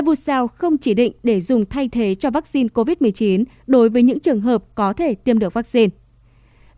vụ sao không chỉ định để dùng thay thế cho vaccine covid một mươi chín đối với những trường hợp có thể tiêm được vaccine